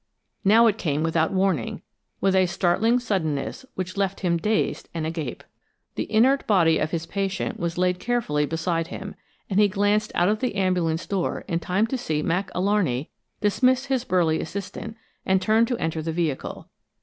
Now it came without warning, with a startling suddenness which left him dazed and agape. The inert body of his patient was laid carefully beside him, and he glanced out of the ambulance door in time to see Mac Alarney dismiss his burly assistant, and turn to enter the vehicle.